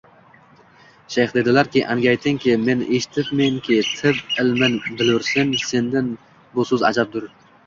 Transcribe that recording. Shayx dedilarki: «Anga aytingki, men eshitibmenki, tib ilmin bilursen, sendin bu soʻz ajabdur